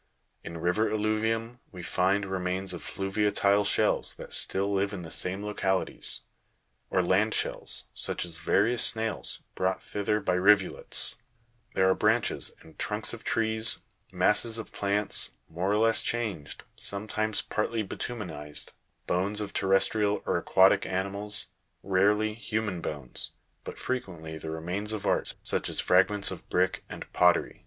In river alluvium we find remains of fluviatile shells that still live in the same localities, or land shells, such as various snails, brought thither by rivulets ; there are branches and trunks of trees, masses of plants, more or less changed, sometimes partly bitumenized, bones of terrestrial or aquatic animals, rarely human bones, but frequently the remains of art, such as fragments of brick and pottery, &c.